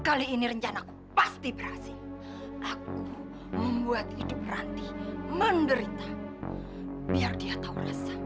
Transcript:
kali ini rencana pasti berhasil membuat hidup ranti menderita biar dia tahu